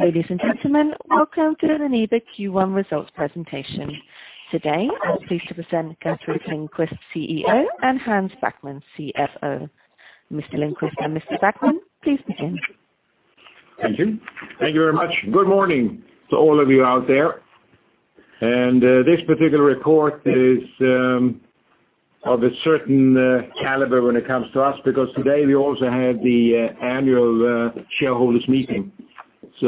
Ladies and gentlemen, welcome to the Nibe Q1 results presentation. Today, I am pleased to present Gerteric Lindquist, CEO, and Hans Backman, CFO. Mr. Lindquist and Mr. Backman, please begin. Thank you. Thank you very much. Good morning to all of you out there. This particular report is of a certain caliber when it comes to us, because today we also have the annual shareholders meeting.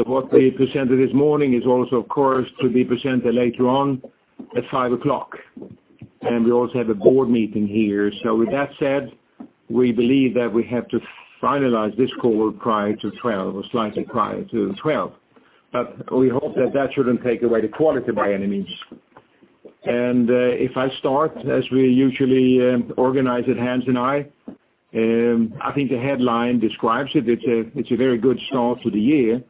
What we presented this morning is also, of course, to be presented later on at 5:00. We also have a board meeting here. With that said, we believe that we have to finalize this call prior to 12:00 or slightly prior to 12:00. We hope that that shouldn't take away the quality by any means. If I start, as we usually organize it, Hans and I think the headline describes it. It's a very good start to the year,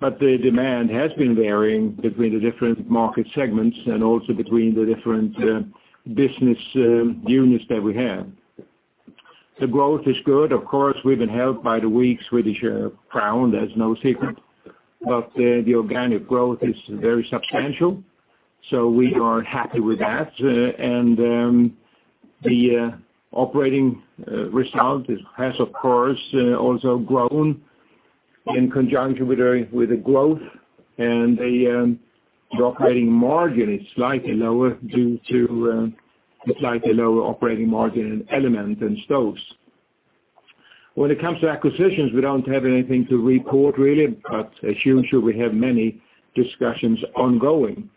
but the demand has been varying between the different market segments and also between the different business units that we have. The growth is good. Of course, we've been helped by the weak Swedish crown, that's no secret, but the organic growth is very substantial, so we are happy with that. The operating result has, of course, also grown in conjunction with the growth. The operating margin is slightly lower due to the slightly lower operating margin in Elements and Stoves. When it comes to acquisitions, we don't have anything to report really, but as usual, we have many discussions ongoing.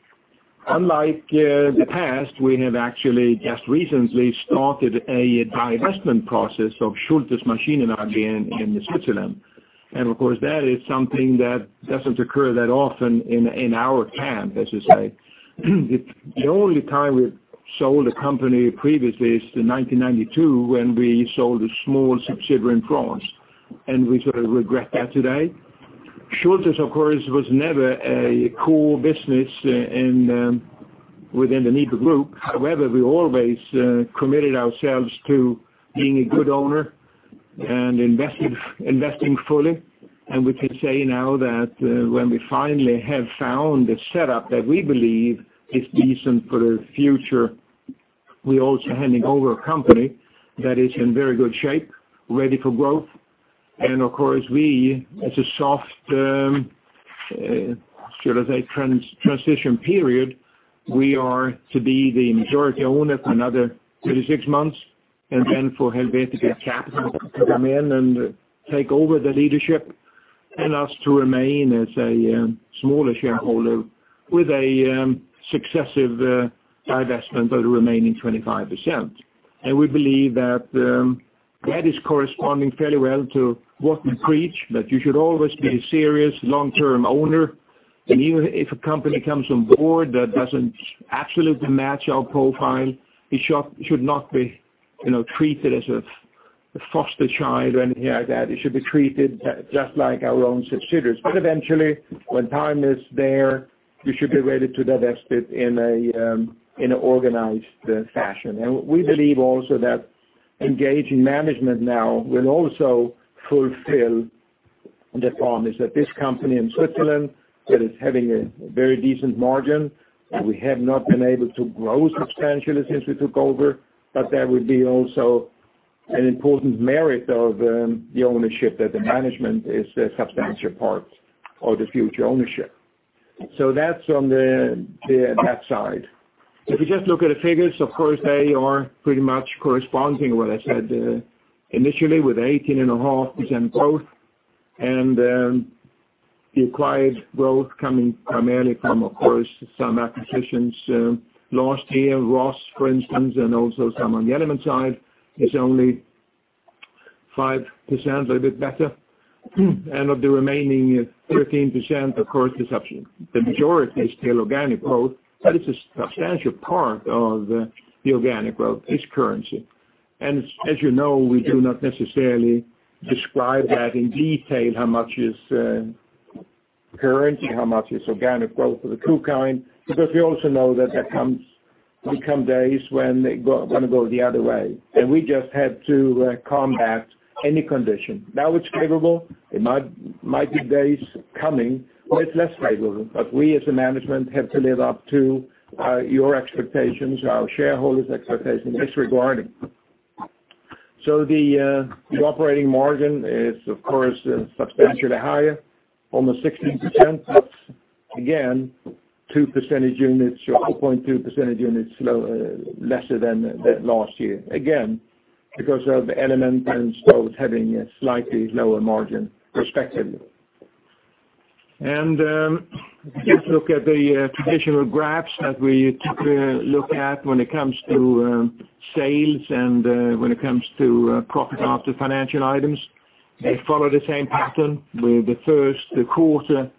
Unlike the past, we have actually just recently started a divestment process of Schulthess Maschinen AG in Switzerland. Of course, that is something that doesn't occur that often in our camp, as you say. The only time we've sold a company previously is in 1992, when we sold a small subsidiary in France, and we sort of regret that today. Schulthess, of course, was never a core business within the Nibe group. However, we always committed ourselves to being a good owner and investing fully. We can say now that when we finally have found a setup that we believe is decent for the future, we're also handing over a company that is in very good shape, ready for growth. Of course, we, as a soft, should I say, transition period, we are to be the majority owner for another 36 months, and then for Helvetica Capital to come in and take over the leadership and us to remain as a smaller shareholder with a successive divestment of the remaining 25%. We believe that that is corresponding fairly well to what we preach, that you should always be a serious long-term owner. Even if a company comes on board that doesn't absolutely match our profile, it should not be treated as a foster child or anything like that. It should be treated just like our own subsidiaries. Eventually, when time is there, we should be ready to divest it in an organized fashion. We believe also that engaging management now will also fulfill the promise that this company in Switzerland that is having a very decent margin, we have not been able to grow substantially since we took over. That would be also an important merit of the ownership that the management is a substantial part of the future ownership. That's on that side. If you just look at the figures, of course, they are pretty much corresponding what I said initially with 18.5% growth. The acquired growth coming primarily from, of course, some acquisitions last year, Rhoss, for instance, and also some on the NIBE Element side. It's only 5%, a bit better. Of the remaining 13%, of course, the majority is still organic growth, but it's a substantial part of the organic growth is currency. As you know, we do not necessarily describe that in detail how much is currency, how much is organic growth of the true kind, because we also know that there come days when they want to go the other way, and we just have to combat any condition. Now it's favorable. There might be days coming where it's less favorable, but we as a management have to live up to your expectations, our shareholders' expectations, disregarding. The operating margin is, of course, substantially higher, almost 16%. That's again, 2 percentage units or 0.2 percentage units lesser than last year, again, because of NIBE Element and Stoves having a slightly lower margin respectively. If you look at the traditional graphs that we typically look at when it comes to sales and when it comes to profit after financial items, they follow the same pattern with the first quarter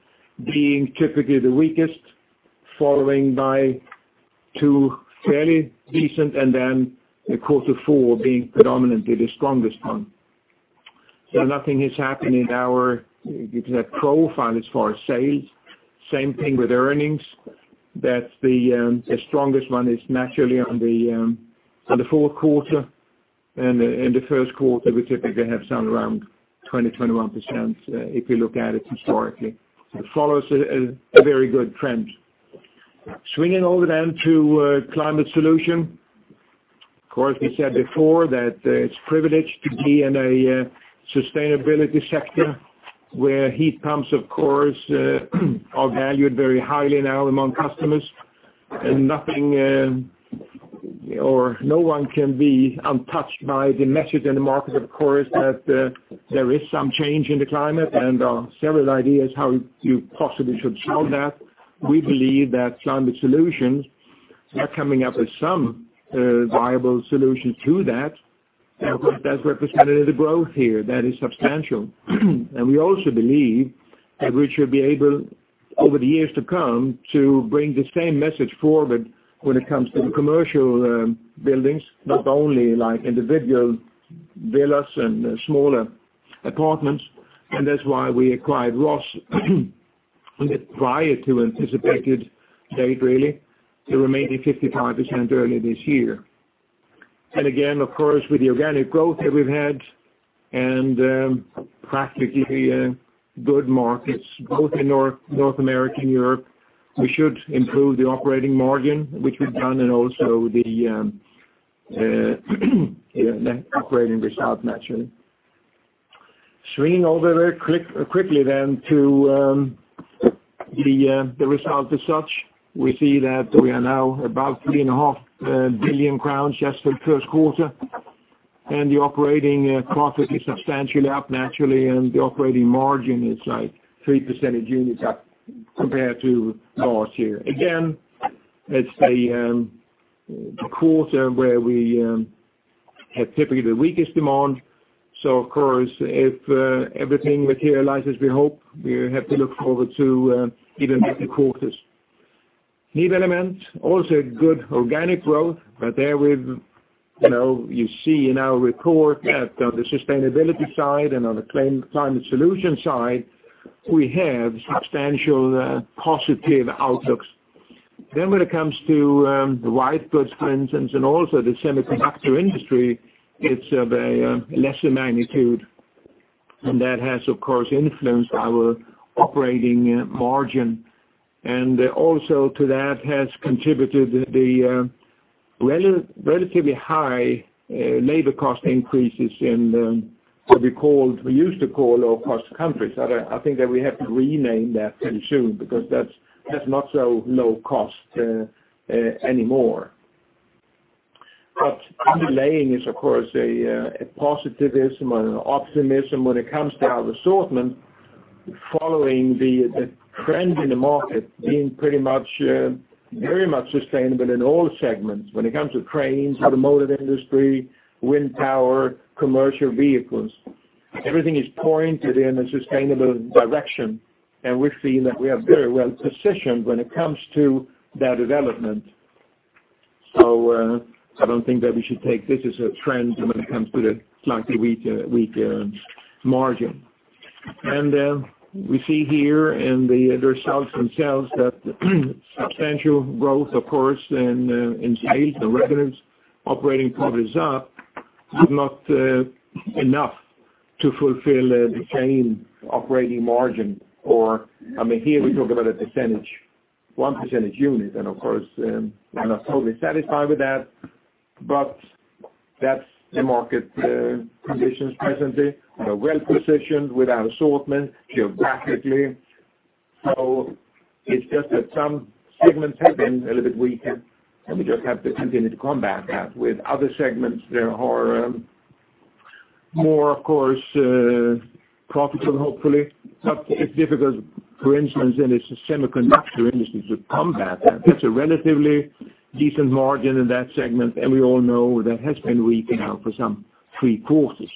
being typically the weakest, following by 2 fairly decent, and then quarter 4 being predominantly the strongest one. Nothing is happening in our profile as far as sales. Same thing with earnings, that the strongest one is naturally on the fourth quarter. In the first quarter, we typically have around 20, 21%, if you look at it historically. It follows a very good trend. Swinging over then to NIBE Climate Solutions. Of course, we said before that it's a privilege to be in a sustainability sector, where heat pumps, of course, are valued very highly now among customers, and no one can be untouched by the message in the market, of course, that there is some change in the climate and several ideas how you possibly should solve that. We believe that NIBE Climate Solutions are coming up with some viable solution to that, and that's represented in the growth here. That is substantial. We also believe that we should be able, over the years to come, to bring the same message forward when it comes to the commercial buildings, not only individual villas and smaller apartments, and that's why we acquired Rhoss prior to anticipated date, really, the remaining 55% early this year. Again, of course, with the organic growth that we've had and practically good markets both in North America and Europe, we should improve the operating margin, which we've done, and also the operating result naturally. Swinging over quickly then to the result as such. We see that we are now about 3.5 billion crowns just for the first quarter, and the operating profit is substantially up, naturally, and the operating margin is like 3 percentage units up compared to last year. Again, it's a quarter where we have typically the weakest demand. Of course, if everything materializes we hope, we have to look forward to even better quarters. NIBE Element, also good organic growth, but there you see in our report that on the sustainability side and on the climate solution side, we have substantial positive outlooks. When it comes to the white goods, for instance, and also the semiconductor industry, it's of a lesser magnitude. That has, of course, influenced our operating margin. Also to that has contributed the relatively high labor cost increases in what we used to call low-cost countries. I think that we have to rename that pretty soon, because that's not so low cost anymore. Underlying is, of course, a positivism and optimism when it comes to our assortment following the trend in the market being very much sustainable in all segments. When it comes to cranes, the motor industry, wind power, commercial vehicles, everything is pointed in a sustainable direction, and we've seen that we are very well positioned when it comes to that development. I don't think that we should take this as a trend when it comes to the slightly weaker margin. We see here in the results themselves that substantial growth, of course, in sales and revenues, operating profit is up, but not enough to fulfill the same operating margin, or, I mean, here we talk about a percentage, one percentage unit. Of course, we're not totally satisfied with that, but that's the market conditions presently. We are well-positioned with our assortment geographically. It's just that some segments have been a little bit weaker, and we just have to continue to combat that with other segments that are more, of course, profitable, hopefully. It's difficult, for instance, in the semiconductor industry to combat that. It's a relatively decent margin in that segment, and we all know that has been weak now for some three quarters.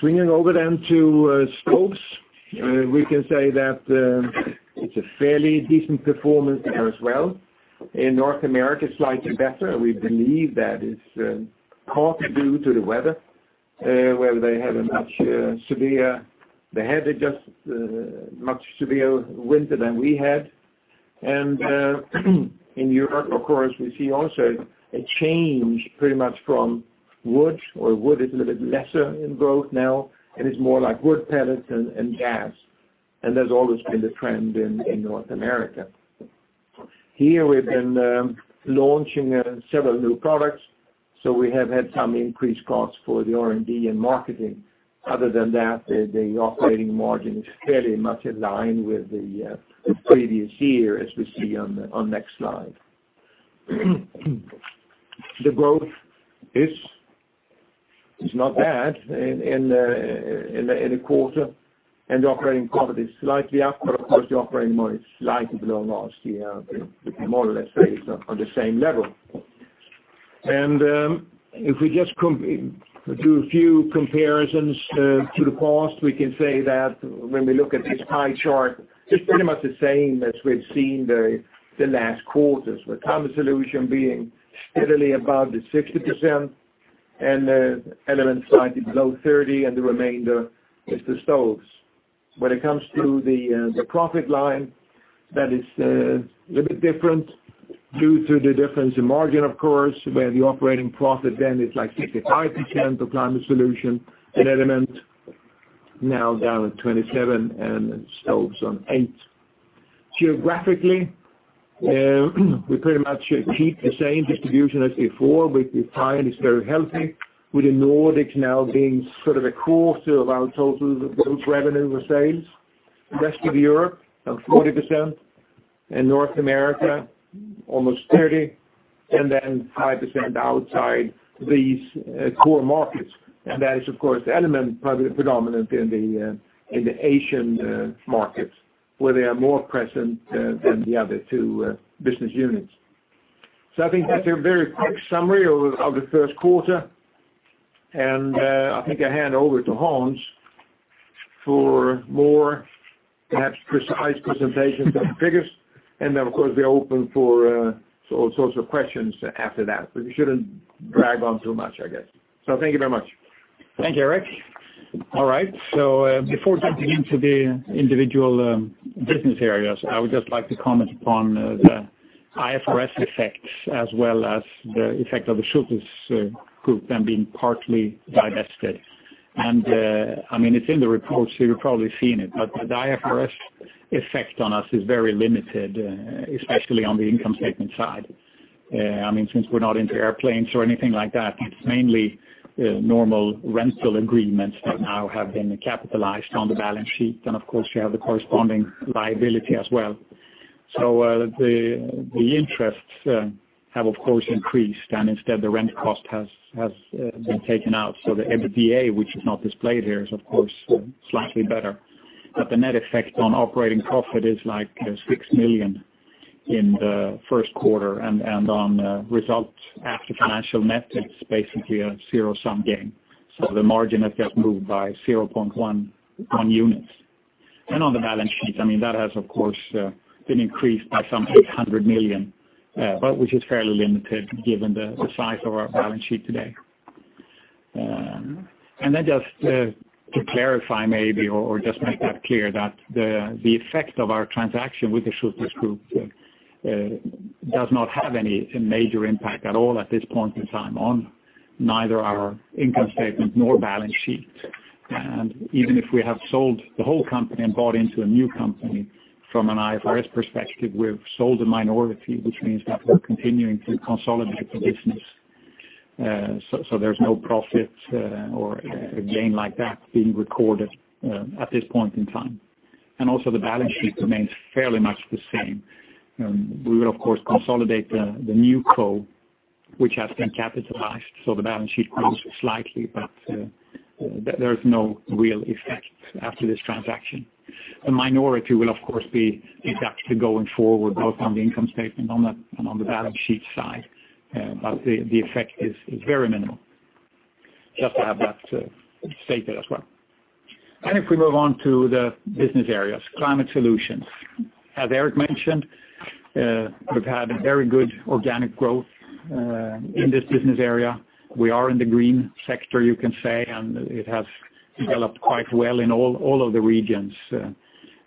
Swinging over then to stoves. We can say that it's a fairly decent performance there as well. In North America, slightly better. We believe that is partly due to the weather, where they had a much severe winter than we had. In Europe, of course, we see also a change pretty much from wood, or wood is a little bit lesser in growth now, and it's more like wood pellets and gas. That's always been the trend in North America. Here we've been launching several new products, so we have had some increased costs for the R&D and marketing. Other than that, the operating margin is fairly much in line with the previous year, as we see on next slide. The growth is not bad in the quarter, and the operating profit is slightly up. Of course, the operating margin is slightly below last year, but more or less based on the same level. If we just do a few comparisons to the past, we can say that when we look at this pie chart, it's pretty much the same as we've seen the last quarters, with NIBE Climate Solutions being steadily above 60%, and NIBE Element slightly below 30%, and the remainder is the stoves. When it comes to the profit line, that is a little bit different due to the difference in margin, of course, where the operating profit then is like 65% of NIBE Climate Solutions and NIBE Element now down at 27% and stoves on 8%. Geographically, we pretty much keep the same distribution as before, which we find is very healthy, with the Nordics now being a core to our total group revenue or sales. Rest of Europe, now 40%, and North America almost 30%, and then 5% outside these core markets. That is, of course, NIBE Element probably predominant in the Asian markets, where they are more present than the other two business units. I think that's a very quick summary of the first quarter. I think I hand over to Hans for more perhaps precise presentation of the figures. Then, of course, we are open for all sorts of questions after that, but we shouldn't drag on too much, I guess. Thank you very much. Thank you, Eric. All right. Before jumping into the individual business areas, I would just like to comment upon the IFRS effects as well as the effect of the Schulthess Group then being partly divested. It's in the report, so you've probably seen it, but the IFRS effect on us is very limited, especially on the income statement side. Since we're not into airplanes or anything like that, it's mainly normal rental agreements that now have been capitalized on the balance sheet. Then, of course, you have the corresponding liability as well. The interests have, of course, increased, and instead the rent cost has been taken out. The EBITDA, which is not displayed here, is of course slightly better. But the net effect on operating profit is like 6 million in the first quarter and on results after financial net, it's basically a zero-sum game. On the balance sheet, that has, of course, been increased by some 800 million, but which is fairly limited given the size of our balance sheet today. Then just to clarify maybe or just make that clear that the effect of our transaction with the Schulthess Group does not have any major impact at all at this point in time on neither our income statement nor balance sheet. Even if we have sold the whole company and bought into a new company, from an IFRS perspective, we've sold a minority, which means that we're continuing to consolidate the business. There's no profit or a gain like that being recorded at this point in time. Also the balance sheet remains fairly much the same. We will, of course, consolidate the new co, which has been capitalized, so the balance sheet grows slightly, but there's no real effect after this transaction. A minority will, of course, be deducted going forward, both on the income statement and on the balance sheet side, but the effect is very minimal. Just to have that stated as well. If we move on to the business areas, NIBE Climate Solutions. As Eric mentioned, we've had very good organic growth in this business area. We are in the green sector, you can say, and it has developed quite well in all of the regions.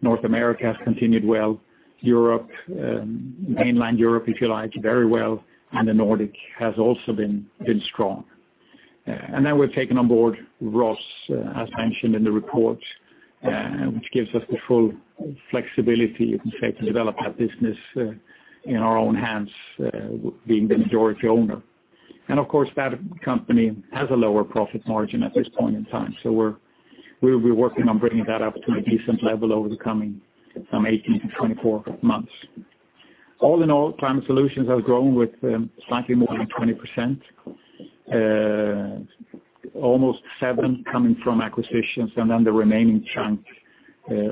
North America has continued well. Europe, mainland Europe, if you like, very well, and the Nordic has also been strong. Now we've taken on board Rhoss, as mentioned in the report, which gives us the full flexibility, you can say, to develop that business in our own hands, being the majority owner. Of course, that company has a lower profit margin at this point in time, so we'll be working on bringing that up to a decent level over the coming 18-24 months. All in all, NIBE Climate Solutions has grown with slightly more than 20%, almost 7% coming from acquisitions, and the remaining chunk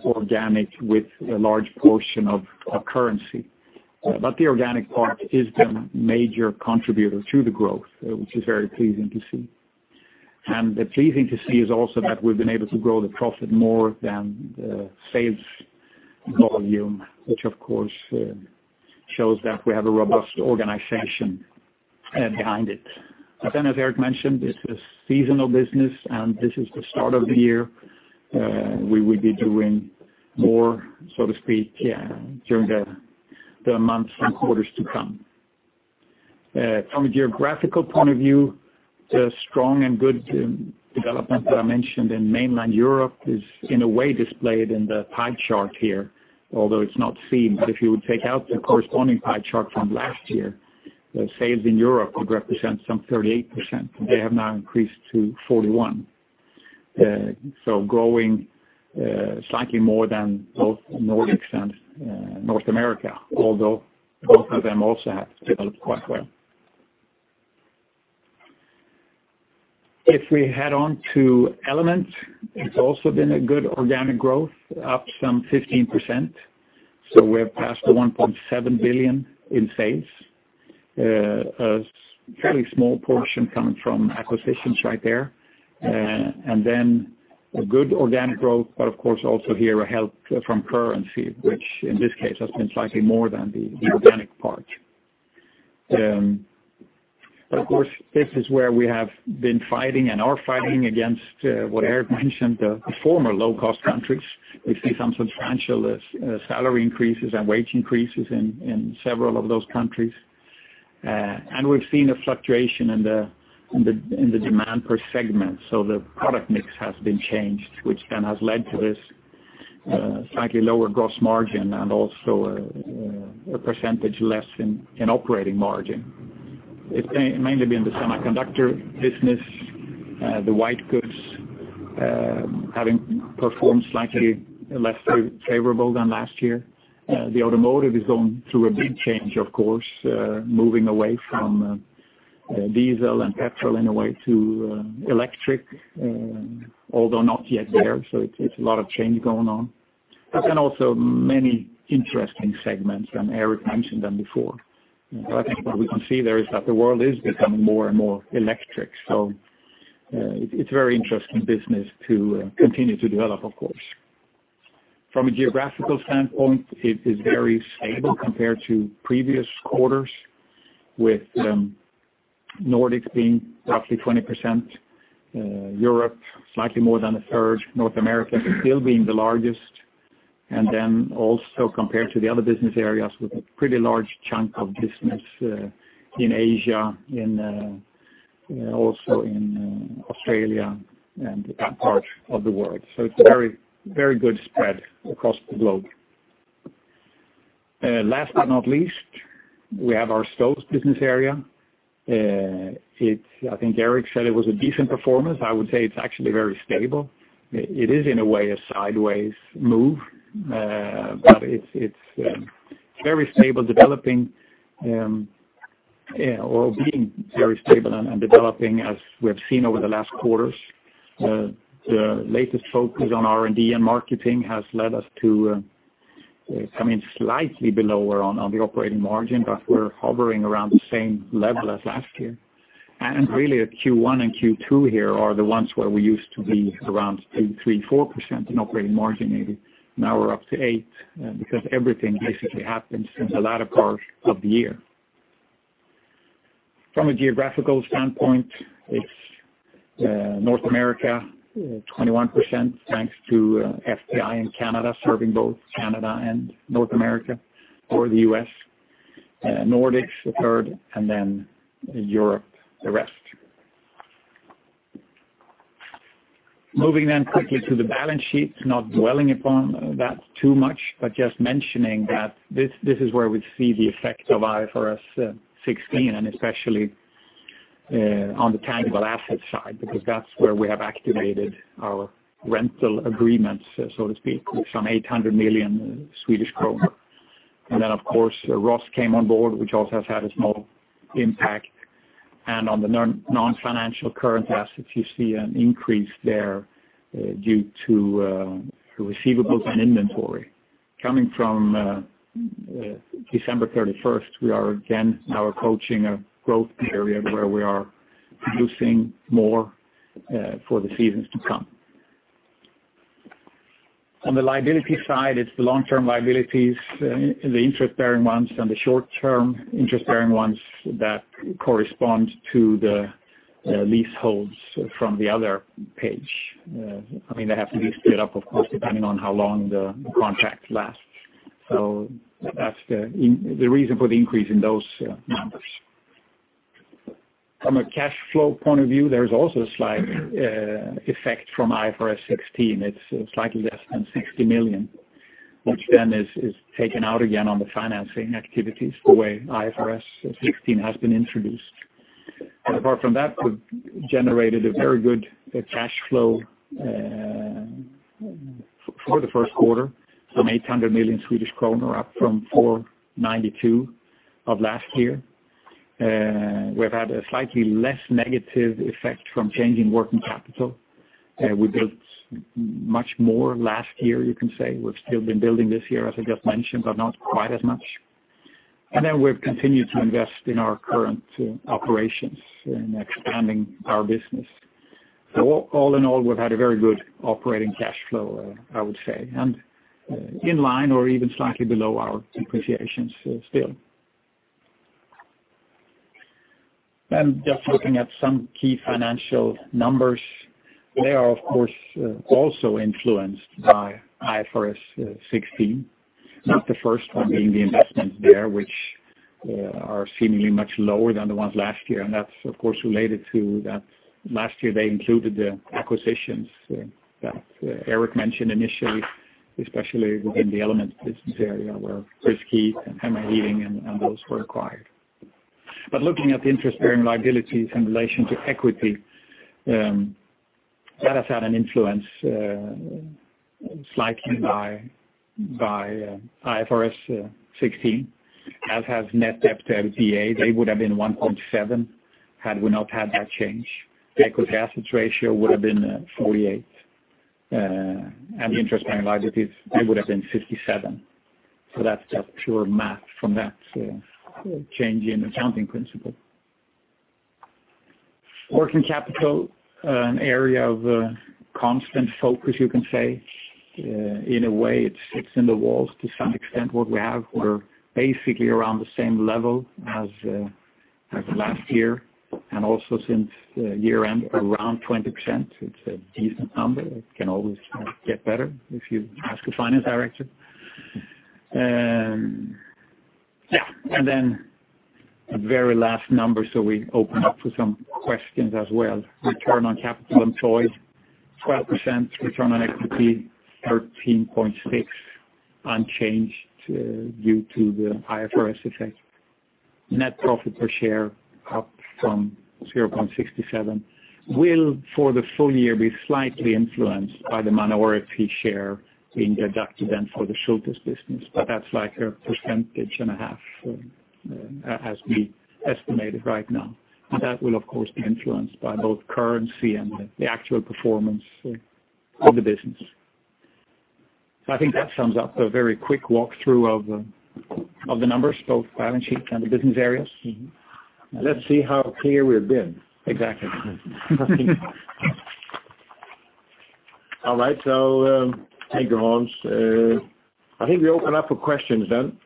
organic with a large portion of currency. The organic part has been a major contributor to the growth, which is very pleasing to see. Pleasing to see is also that we've been able to grow the profit more than the sales volume, which of course shows that we have a robust organization behind it. As Eric mentioned, this is a seasonal business, and this is the start of the year. We will be doing more, so to speak, during the months and quarters to come. From a geographical point of view, the strong and good development that I mentioned in mainland Europe is in a way displayed in the pie chart here, although it's not seen. If you would take out the corresponding pie chart from last year, the sales in Europe would represent some 38%, and they have now increased to 41%. Growing slightly more than both the Nordics and North America, although both of them also have developed quite well. If we head on to NIBE Element, it's also been a good organic growth, up some 15%. We're past the 1.7 billion in sales. A fairly small portion coming from acquisitions right there. A good organic growth, but of course also here a help from currency, which in this case has been slightly more than the organic part. This is where we have been fighting and are fighting against what Eric mentioned, the former low-cost countries. We see some substantial salary increases and wage increases in several of those countries. We've seen a fluctuation in the demand per segment. The product mix has been changed, which has led to this slightly lower gross margin and also a percentage less in operating margin. It's mainly been the semiconductor business, the white goods having performed slightly less favorable than last year. The automotive is going through a big change, of course, moving away from diesel and petrol in a way to electric, although not yet there. It's a lot of change going on. Also many interesting segments, Eric mentioned them before. What we can see there is that the world is becoming more and more electric, so it is a very interesting business to continue to develop, of course. From a geographical standpoint, it is very stable compared to previous quarters, with Nordics being roughly 20%, Europe slightly more than a third, North America still being the largest, and also compared to the other business areas with a pretty large chunk of business in Asia, also in Australia and that part of the world. It is very good spread across the globe. Last but not least, we have our stoves business area. Eric said it was a decent performance. I would say it is actually very stable. It is, in a way, a sideways move, but it is very stable, developing or being very stable and developing as we have seen over the last quarters. The latest focus on R&D and marketing has led us to coming slightly below on the operating margin, but we are hovering around the same level as last year. The Q1 and Q2 here are the ones where we used to be around 3%, 4% in operating margin, maybe now we are up to 8% because everything basically happens in the latter part of the year. From a geographical standpoint, it is North America, 21%, thanks to SBI in Canada, serving both Canada and North America or the U.S., Nordics, a third, and Europe, the rest. Moving quickly to the balance sheet. Not dwelling upon that too much, but just mentioning that this is where we see the effect of IFRS 16, and especially on the tangible asset side, because that is where we have activated our rental agreements, so to speak, with some 800 million Swedish kronor. Of course, Rhoss came on board, which also has had a small impact. On the non-financial current assets, you see an increase there due to receivables and inventory coming from December 31st. We are again now approaching a growth period where we are producing more for the seasons to come. On the liability side, it is the long-term liabilities the interest-bearing ones, and the short-term interest-bearing ones that correspond to the leaseholds from the other page. They have to be split up, of course, depending on how long the contract lasts. That is the reason for the increase in those numbers. From a cash flow point of view, there is also a slight effect from IFRS 16. It is slightly less than 60 million, which is taken out again on the financing activities the way IFRS 16 has been introduced. Apart from that, we have generated a very good cash flow for the first quarter from 800 million Swedish kronor, up from 492 million of last year. We have had a slightly less negative effect from changing working capital. We built much more last year, you can say. We have still been building this year, as I just mentioned, but not quite as much. We have continued to invest in our current operations in expanding our business. All in all, we have had a very good operating cash flow, I would say, and in line or even slightly below our depreciations still. Just looking at some key financial numbers. They are, of course, also influenced by IFRS 16, the first one being the investments there, which are seemingly much lower than the ones last year. That's, of course, related to that last year they included the acquisitions that Eric mentioned initially, especially within the NIBE Element business area where BriskHeat and Hemi Heating and those were acquired. Looking at the interest-bearing liabilities in relation to equity, that has had an influence slightly by IFRS 16, as has net debt to EBITDA. They would have been 1.7 had we not had that change. Equity assets ratio would have been 48, and the interest-bearing liabilities, they would have been 57. That's just pure math from that change in accounting principle. Working capital, an area of constant focus, you can say. In a way, it sticks in the walls to some extent what we have. We're basically around the same level as last year, and also since year-end, around 20%. It's a decent number. It can always get better if you ask a finance director. Yeah. Then a very last number, we open up for some questions as well. Return on capital employed, 12%, return on equity, 13.6 unchanged due to the IFRS effect. Net profit per share up from 0.67 will, for the full year, be slightly influenced by the minority share being deducted then for the Schulthess business. That's like a percentage and a half as we estimate it right now. That will, of course, be influenced by both currency and the actual performance of the business. I think that sums up a very quick walkthrough of the numbers, both balance sheet and the business areas. Let's see how clear we've been. Exactly. All right. Thank you, Hans. I think we open up for questions then.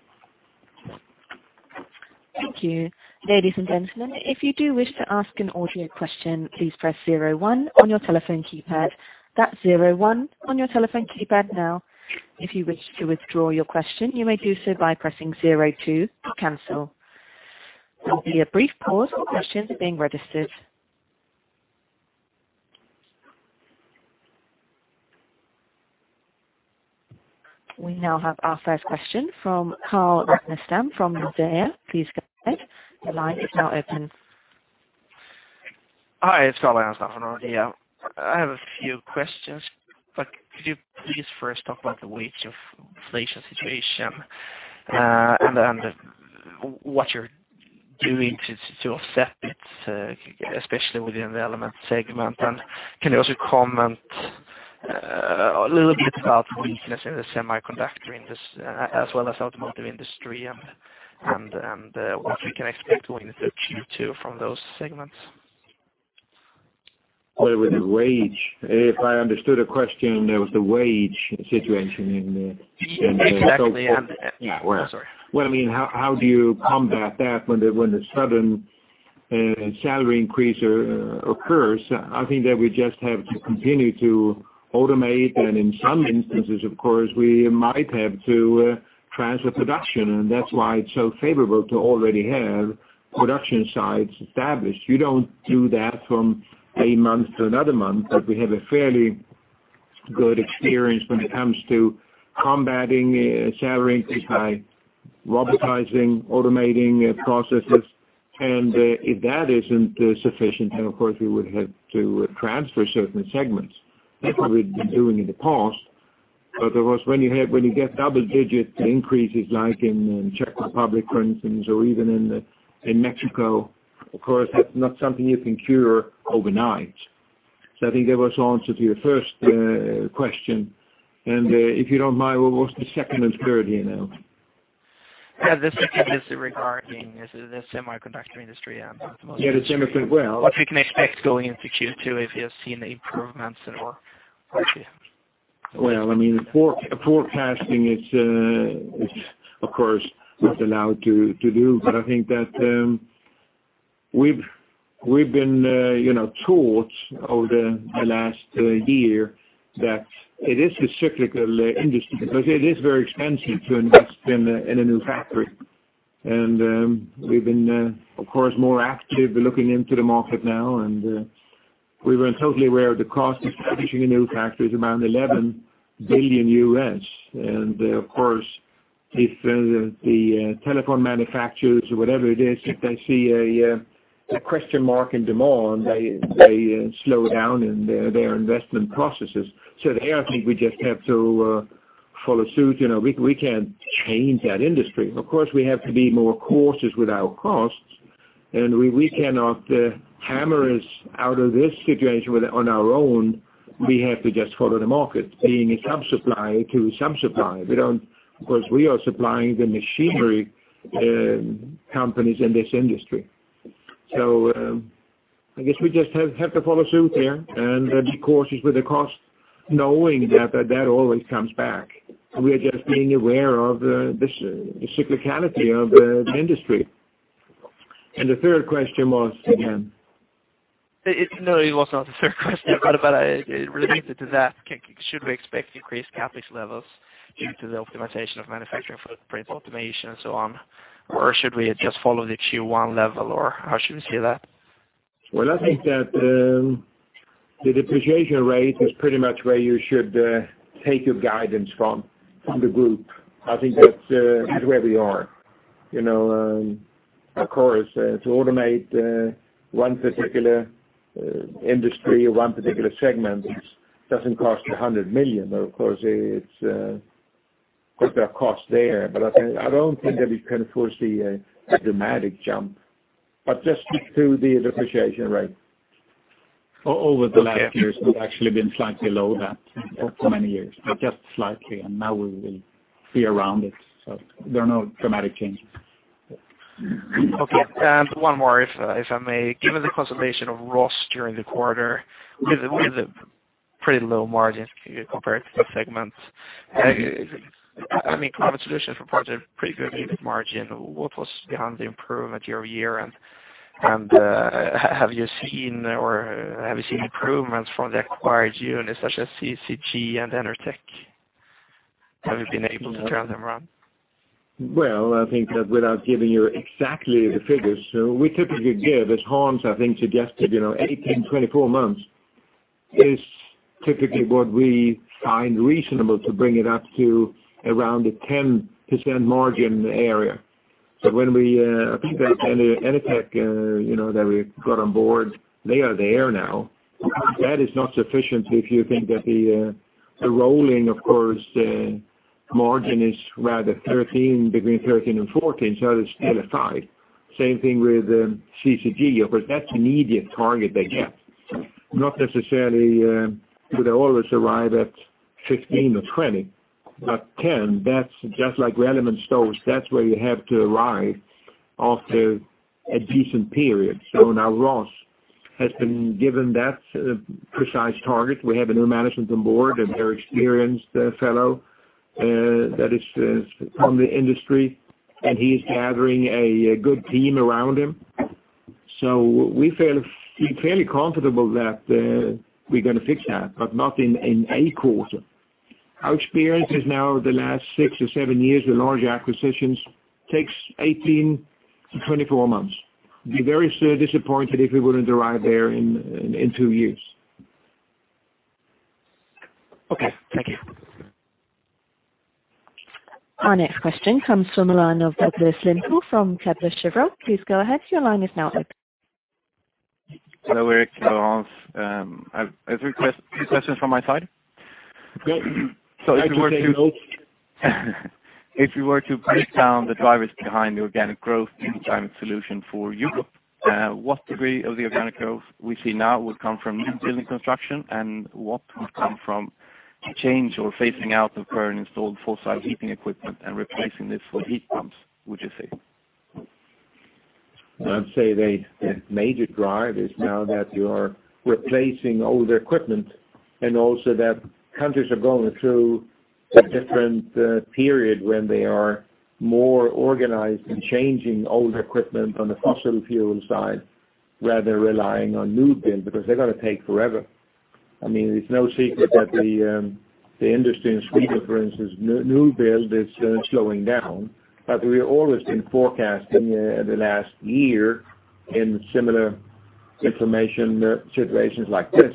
Thank you. Ladies and gentlemen, if you do wish to ask an audio question, please press 01 on your telephone keypad. That's 01 on your telephone keypad now. If you wish to withdraw your question, you may do so by pressing 02 to cancel. There will be a brief pause while questions are being registered. We now have our first question from Carl Ragnerstam from Nordea. Please go ahead. The line is now open. Hi, it's Carl Ragnerstam from Nordea. I have a few questions, but could you please first talk about the wage of inflation situation, and then what you're doing to offset it, especially within the element segment? Can you also comment a little bit about weakness in the semiconductor industry as well as automotive industry and what we can expect going into Q2 from those segments? Well, with the wage, if I understood the question, there was the wage situation in the. Exactly. Yeah. Sorry. Well, how do you combat that when the sudden salary increase occurs? I think that we just have to continue to automate and in some instances, of course, we might have to transfer production, and that's why it's so favorable to already have production sites established. You don't do that from a month to another month, but we have a fairly good experience when it comes to combating salary increase by robotizing, automating processes. If that isn't sufficient, of course, we would have to transfer certain segments. That's what we've been doing in the past. When you get double-digit increases like in Czech Republic, for instance, or even in Mexico, of course, that's not something you can cure overnight. I think that was the answer to your first question. If you don't mind, what was the second and third here now? Yeah, the second is regarding the semiconductor industry and automotive. Yeah, the semiconductor. What we can expect going into Q2 if you have seen improvements at all. Well, forecasting is, of course, not allowed to do, but I think that we've been taught over the last year that it is a cyclical industry because it is very expensive to invest in a new factory. We've been, of course, more active looking into the market now, and we were totally aware the cost of establishing a new factory is around $11 billion. Of course, if the telephone manufacturers or whatever it is, if they see a question mark in demand, they slow down in their investment processes. There, I think we just have to follow suit. We can't change that industry. Of course, we have to be more cautious with our costs, and we cannot hammer us out of this situation on our own. We have to just follow the market, being a sub-supplier to a sub-supplier. Of course, we are supplying the machinery companies in this industry. I guess we just have to follow suit there and be cautious with the cost, knowing that always comes back. We are just being aware of the cyclicality of the industry. The third question was again? No, it was not the third question, related to that, should we expect increased CapEx levels due to the optimization of manufacturing footprint, automation, and so on? Should we just follow the Q1 level, or how should we see that? Well, I think that the depreciation rate is pretty much where you should take your guidance from the group. I think that's where we are. Of course, to automate one particular industry or one particular segment doesn't cost 100 million. I don't think that we can foresee a dramatic jump, but just stick to the depreciation rate. Over the last years, we've actually been slightly below that for many years, but just slightly, and now we will be around it. There are no dramatic changes. Okay. One more, if I may. Given the consolidation of Rhoss during the quarter, with pretty low margins compared to the segments. Climate Solutions reported a pretty good EBIT margin. What was behind the improvement year-over-year? Have you seen improvements from the acquired units such as CCG and Enertech? Have you been able to turn them around? Well, I think that without giving you exactly the figures, we typically give, as Hans, I think, suggested, 18-24 months is typically what we find reasonable to bring it up to around the 10% margin area. When we acquired Enertech that we got on board, they are there now. That is not sufficient if you think that the rolling, of course, margin is rather 13, between 13 and 14, that is still a 5. Same thing with CCG. Of course, that's immediate target they get. Not necessarily do they always arrive at 15 or 20, but 10, that's just like relevant stoves. That's where you have to arrive after a decent period. Now ROS has been given that precise target. We have a new management on board, a very experienced fellow that is from the industry, and he's gathering a good team around him. We feel fairly comfortable that we're going to fix that, but not in a quarter. Our experience is now the last six or seven years, the large acquisitions takes 18-24 months. Be very disappointed if we wouldn't arrive there in two years. Okay. Thank you. Our next question comes from the line of Douglas Ligo from Kepler Cheuvreux. Please go ahead. Your line is now open. Hello, Erik, Hans. I have two questions from my side. Yes. I can take both. If you were to break down the drivers behind the organic growth in NIBE Climate Solutions for Europe, what degree of the organic growth we see now would come from new building construction, and what would come from change or phasing out of current installed fossil heating equipment and replacing this with heat pumps, would you say? I'd say the major drive is now that you are replacing older equipment, also that countries are going through a different period when they are more organized in changing older equipment on the fossil fuel side, rather relying on new build, because they're going to take forever. It's no secret that the industry in Sweden, for instance, new build is slowing down. We always been forecasting the last year in similar information situations like this,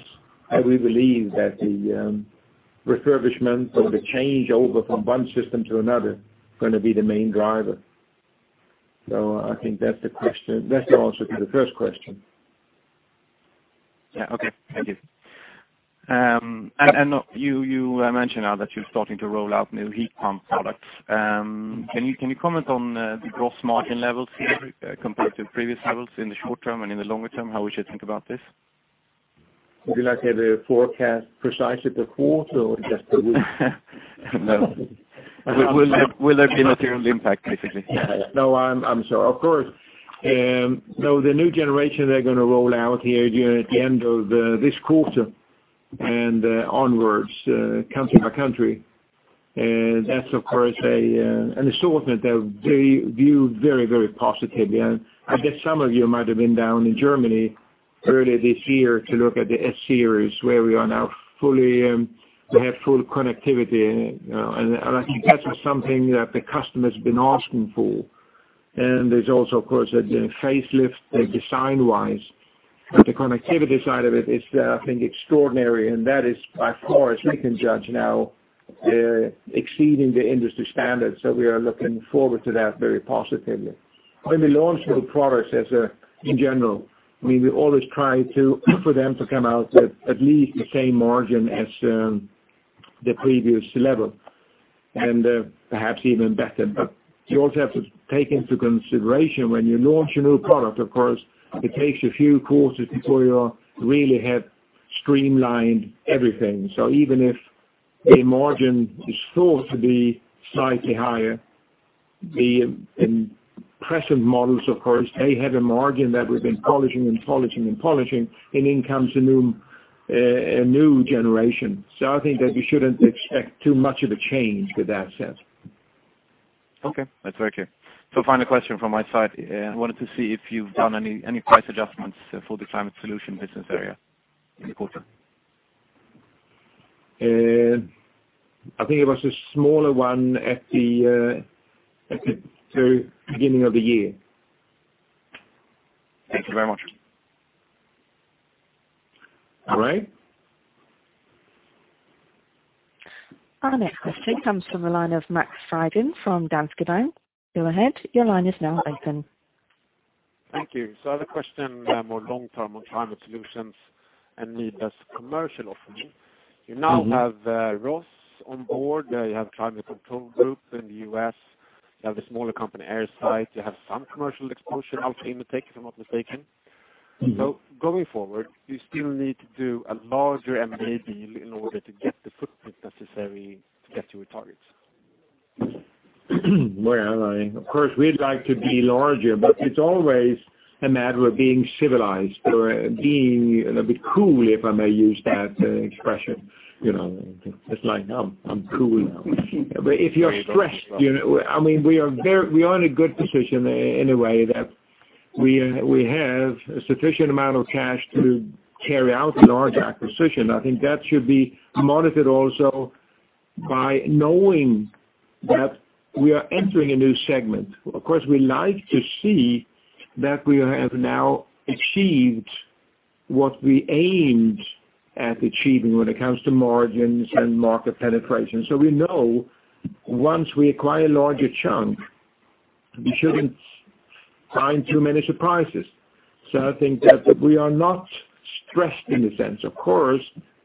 and we believe that the refurbishment or the changeover from one system to another is going to be the main driver. I think that's the answer to the first question. Yeah. Okay. Thank you. You mentioned now that you're starting to roll out new heat pump products. Can you comment on the gross margin levels here compared to previous levels in the short term and in the longer term, how we should think about this? Would you like to have a forecast precise at the quarter or just the week? No. Will there be material impact, basically? No, I'm sure. Of course. No, the new generation they're going to roll out here during the end of this quarter and onwards, country by country. That's, of course, an assortment that they view very positively. I guess some of you might have been down in Germany earlier this year to look at the S-Series, where we now have full connectivity. I think that is something that the customer's been asking for. There's also, of course, the facelift design-wise. The connectivity side of it is, I think, extraordinary, and that is, by far, as we can judge now, exceeding the industry standards. We are looking forward to that very positively. When we launch new products in general, we always try for them to come out with at least the same margin as the previous level, and perhaps even better. You also have to take into consideration when you launch a new product, of course, it takes a few quarters before you really have streamlined everything. Even if a margin is thought to be slightly higher, the present models, of course, they have a margin that we've been polishing. In comes a new generation. I think that we shouldn't expect too much of a change with that said. Okay. That's very clear. Final question from my side, I wanted to see if you've done any price adjustments for the Climate Solution business area in the quarter. I think it was a smaller one at the very beginning of the year. Thank you very much. All right. Our next question comes from the line of Max Fröjdén from Danske Bank. Go ahead. Your line is now open. Thank you. I have a question more long-term on NIBE Climate Solutions and Nibe's commercial offering. You now have ROS on board. You have Climate Control Group in the U.S. You have the smaller company, ARIA. You have some commercial exposure, ARIA, if I'm not mistaken. Going forward, you still need to do a larger M&A deal in order to get the footprint necessary to get to your targets? Well, of course, we'd like to be larger, it's always a matter of being civilized or being a bit cool, if I may use that expression. It's like, no, I'm cool now. If you're stressed, we are in a good position in a way that we have a sufficient amount of cash to carry out a large acquisition. I think that should be monitored also by knowing that we are entering a new segment. Of course, we like to see that we have now achieved what we aimed at achieving when it comes to margins and market penetration. We know once we acquire a larger chunk, we shouldn't find too many surprises. I think that we are not stressed in a sense. Of course,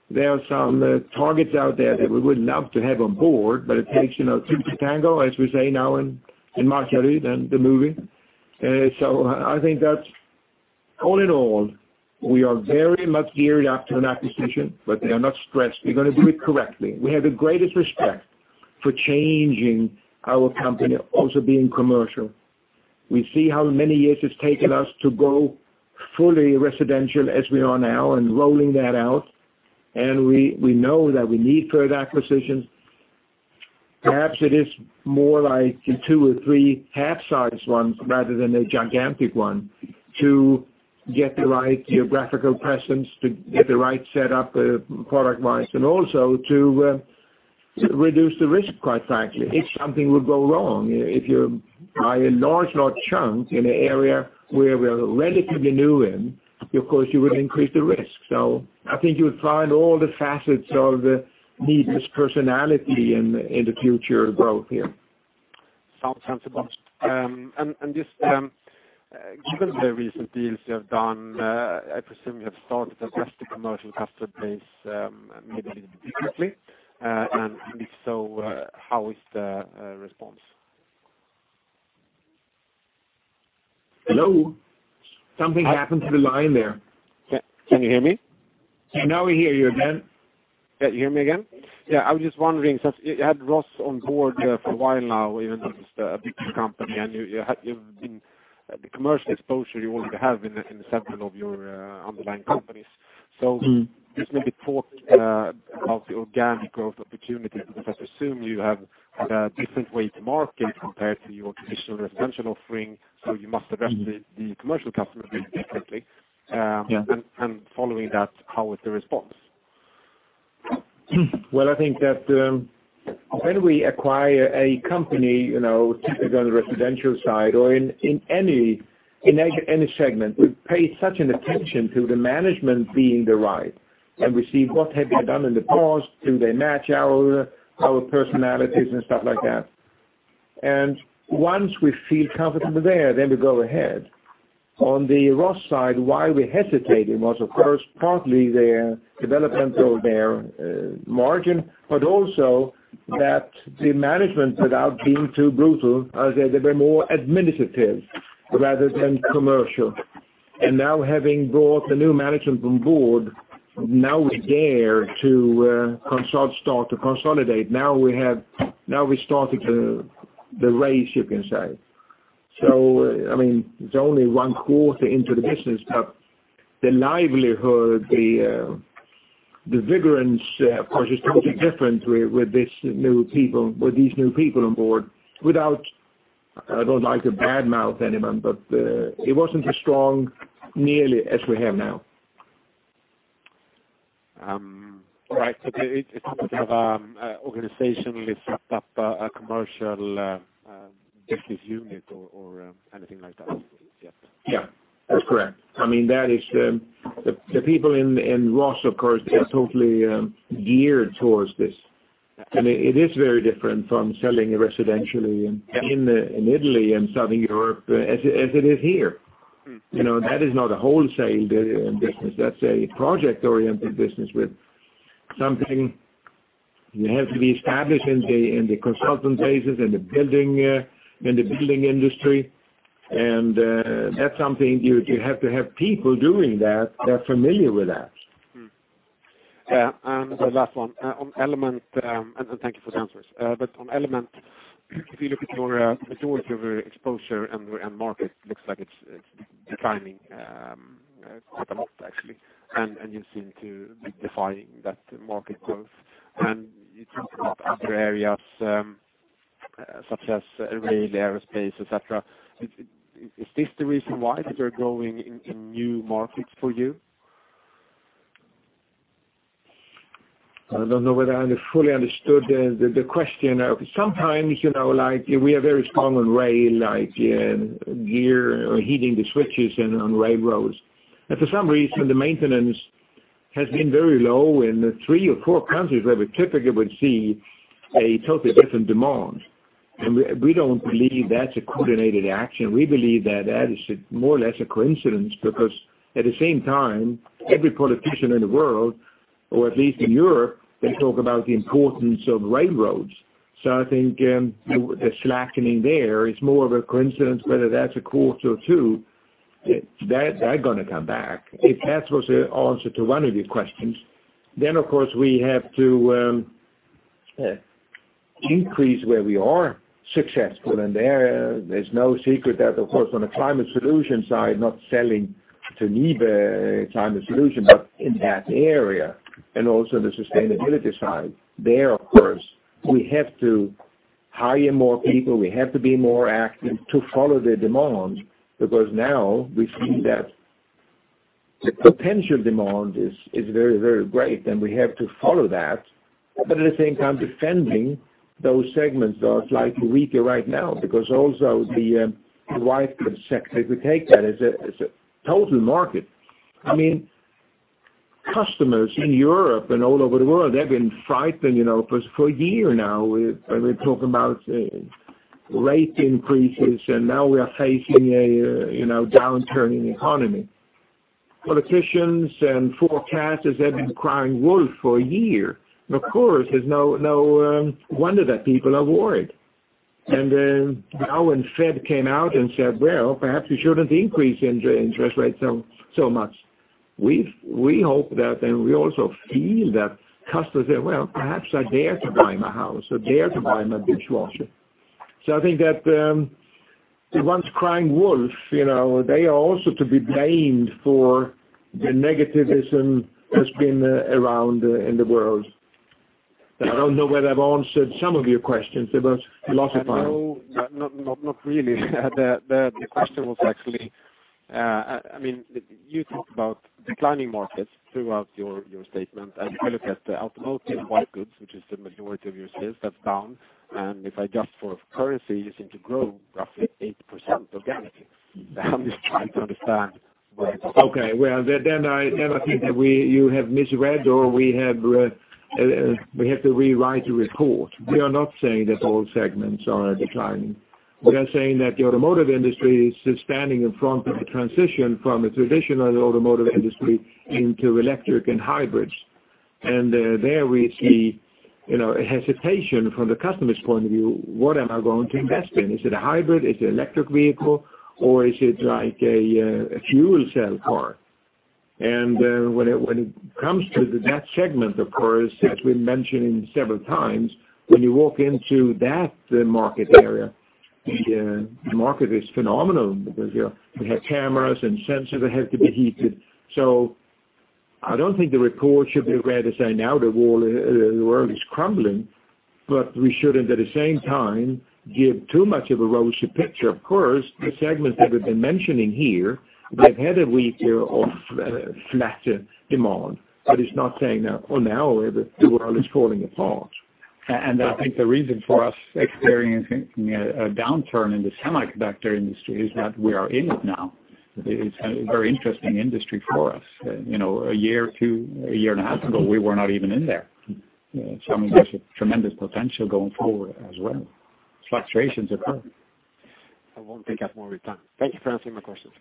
there are some targets out there that we would love to have on board, it takes two to tango, as we say now in market and the movie. I think that all in all, we are very much geared up to an acquisition, we are not stressed. We're going to do it correctly. We have the greatest respect for changing our company, also being commercial. We see how many years it's taken us to go fully residential as we are now and rolling that out, we know that we need further acquisition. Perhaps it is more like two or three half-sized ones rather than a gigantic one to get the right geographical presence, to get the right setup product-wise, and also to reduce the risk, quite frankly, if something would go wrong. If you buy a large chunk in an area where we're relatively new in, of course, you would increase the risk. I think you would find all the facets of the need, this personality in the future growth here. Sounds sensible. Just given the recent deals you have done, I presume you have started to address the commercial customer base maybe a little bit differently. If so, how is the response? Hello? Something happened to the line there. Can you hear me? Now we hear you again. Can you hear me again? Yeah, I was just wondering, since you had Ross on board for a while now, even if it's a bigger company, and the commercial exposure you already have in the several of your underlying companies. Just maybe talk about the organic growth opportunities, because I assume you have a different way to market compared to your traditional residential offering. You must address the commercial customer base differently. Yeah. Following that, how is the response? Well, I think that when we acquire a company, typically on the residential side or in any segment, we pay such attention to the management being the right, and we see what have they done in the past, do they match our personalities and stuff like that. Once we feel comfortable there, then we go ahead. On the Ross side, why we hesitated was of course, partly their development or their margin, but also that the management, without being too brutal, they were more administrative rather than commercial. Now having brought the new management on board, now we dare to start to consolidate. Now we started the race, you can say. It's only one quarter into the business, but the livelihood, the vigilance of course is totally different with these new people on board. I don't like to bad-mouth anyone, but it wasn't as strong nearly as we have now. Right. It's not organizationally set up a commercial business unit or anything like that as yet. Yeah, that's correct. The people in Rhoss, of course, they are totally geared towards this. It is very different from selling residentially in Italy and Southern Europe as it is here. That is not a wholesale business. That's a project-oriented business with something you have to be established in the consultant phases, in the building industry. That's something you have to have people doing that are familiar with that. The last one. Thank you for the answers. On Element, if you look at your exposure and market, looks like it's declining quite a lot actually. You seem to be defying that market growth. You talk about other areas, such as rail, aerospace, etcetera. Is this the reason why, that you're growing in new markets for you? I don't know whether I fully understood the question. Sometimes, we are very strong on rail, like gear or heating the switches on railroads. For some reason, the maintenance has been very low in the three or four countries where we typically would see a totally different demand. We don't believe that is a coordinated action. We believe that is more or less a coincidence because at the same time, every politician in the world. Or at least in Europe, they talk about the importance of railroads. I think the slackening there is more of a coincidence, whether that is a quarter or two, that is going to come back. If that was the answer to one of your questions, of course we have to increase where we are successful. There, there is no secret that, of course, on the climate solution side, not selling to NIBE Climate Solutions, but in that area and also the sustainability side. There, of course, we have to hire more people. We have to be more active to follow the demand, because now we see that the potential demand is very, very great, and we have to follow that. At the same time, defending those segments that are slightly weaker right now, because also the wide sector, if you take that as a total market. Customers in Europe and all over the world, they have been frightened for a year now, when we talk about rate increases, and now we are facing a downturning economy. Politicians and forecasters have been crying wolf for a year. Of course, it is no wonder that people are worried. Now when Fed came out and said, "Well, perhaps we should not increase interest rates so much." We hope that, and we also feel that customers say, "Well, perhaps I dare to buy my house or dare to buy my dishwasher." I think that the ones crying wolf, they are also to be blamed for the negativism that has been around in the world. I don't know whether I have answered some of your questions. It was philosophizing. No, not really. The question was actually, you talked about declining markets throughout your statement, if you look at the automotive white goods, which is the majority of your sales, that is down. If I adjust for currency, you seem to grow roughly 8% organically. I am just trying to understand where- Okay. I think that you have misread, or we have to rewrite the report. We are not saying that all segments are declining. We are saying that the automotive industry is standing in front of a transition from a traditional automotive industry into electric and hybrids. There we see hesitation from the customer's point of view, what am I going to invest in? Is it a hybrid? Is it electric vehicle, or is it like a fuel cell car? When it comes to that segment, of course, as we mentioned several times, when you walk into that market area, the market is phenomenal because you have cameras and sensors that have to be heated. I don't think the report should be read as saying now the world is crumbling, but we shouldn't, at the same time, give too much of a rosy picture. Of course, the segments that we've been mentioning here, they've had a weaker or flatter demand, but it's not saying that now the world is falling apart. I think the reason for us experiencing a downturn in the semiconductor industry is that we are in it now. It's a very interesting industry for us. A year, two, a year and a half ago, we were not even in there. I mean, there's a tremendous potential going forward as well. Fluctuations occur. I won't take up more of your time. Thank you for answering my questions.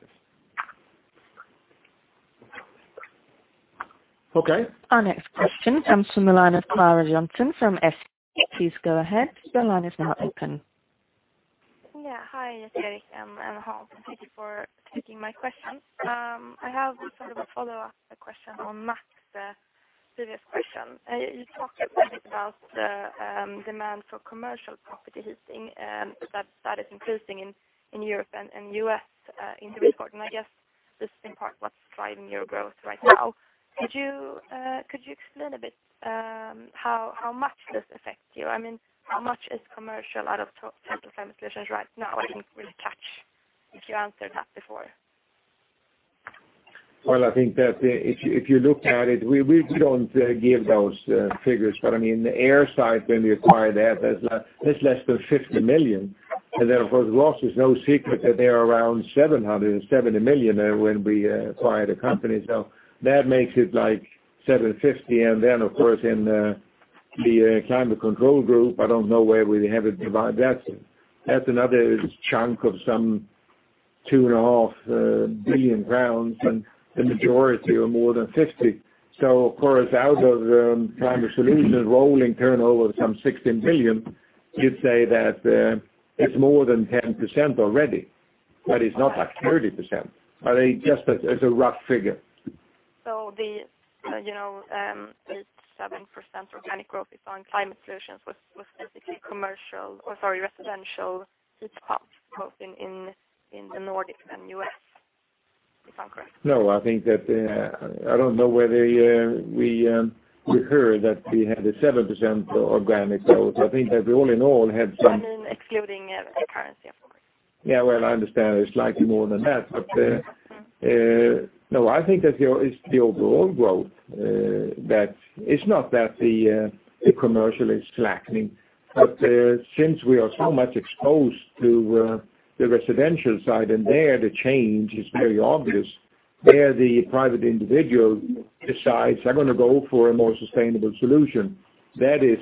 Okay. Our next question comes from the line of Klas Bergelind from SEB. Please go ahead. Your line is now open. Yeah. Hi, Jesper and Hans. Thank you for taking my question. I have sort of a follow-up question on Max's previous question. You talked a bit about the demand for commercial property heating, that is increasing in Europe and U.S. in the report, and I guess this is in part what's driving your growth right now. Could you explain a bit how much this affects you? I mean, how much is commercial out of total NIBE Climate Solutions right now? I didn't really catch if you answered that before. Well, I think that if you look at it, we don't give those figures, but I mean, the ARIA, when we acquired that's less than 50 million. Then, of course, Rhoss S.p.A. is no secret that they are around 770 million when we acquired the company. That makes it like 750. Then, of course, in the Climate Control Group, I don't know where we have it divided. That's another chunk of some 2.5 billion pounds and the majority are more than 50%. Of course, out of NIBE Climate Solutions rolling turnover some 16 billion, you'd say that it's more than 10% already, but it's not like 30%. Just as a rough figure. The 7% organic growth is on NIBE Climate Solutions was specifically commercial, or sorry, residential heat pumps, both in the Nordic and U.S. Is that correct? No, I think that I don't know whether we heard that we had a 7% organic growth. I think that we all in all had. I mean, excluding currency, of course. Yeah. Well, I understand it's slightly more than that, no, I think that it's the overall growth. It's not that the commercial is slackening, but since we are so much exposed to the residential side, and there the change is very obvious. There, the private individual decides they're going to go for a more sustainable solution. That is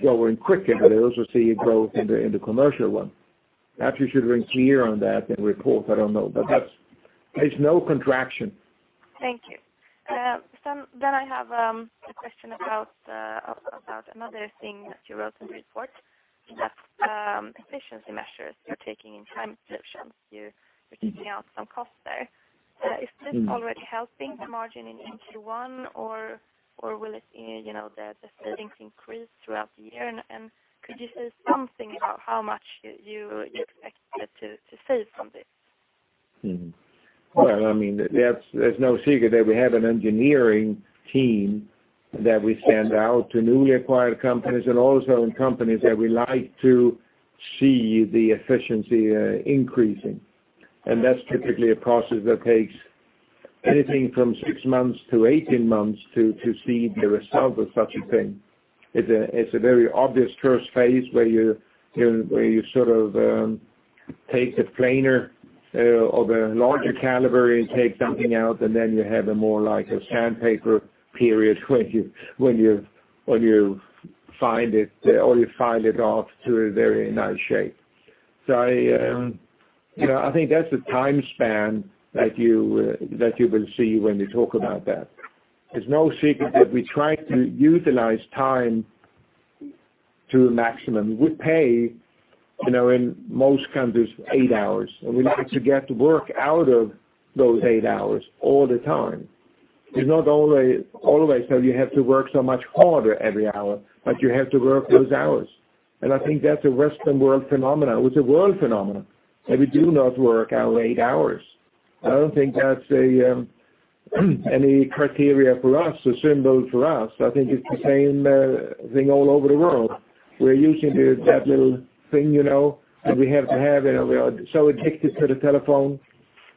growing quicker, but I also see a growth in the commercial one. Perhaps you should ring here on that and report. I don't know. There's no contraction. Thank you. I have a question about another thing that you wrote in the report, that efficiency measures you're taking in time you're taking out some costs there. Is this already helping the margin in Q1 or will the savings increase throughout the year and could you say something about how much you expected to save from this? Well, there's no secret that we have an engineering team that we send out to newly acquired companies and also in companies that we like to see the efficiency increasing. That's typically a process that takes anything from six months to 18 months to see the result of such a thing. It's a very obvious first phase where you sort of take the planer of a larger caliber and take something out, and then you have a more like a sandpaper period when you file it off to a very nice shape. I think that's the time span that you will see when you talk about that. It's no secret that we try to utilize time to a maximum. We pay, in most countries, eight hours, and we like to get work out of those eight hours all the time. It's not always that you have to work so much harder every hour, but you have to work those hours. I think that's a Western world phenomenon. It's a world phenomenon, that we do not work our eight hours. I don't think that's any criteria for us or symbol for us. I think it's the same thing all over the world. We're using that little thing, that we have to have, and we are so addicted to the telephone,